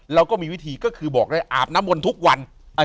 เราก็มีวิธีก็คือบอกได้อาบน้ำมนต์ทุกวัน